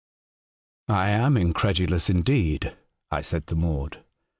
*^''' I am incredulous, indeed/ I said to Maude.